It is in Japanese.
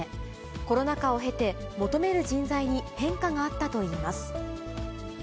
コロナ禍を経て、求める人材に変化があったといいます。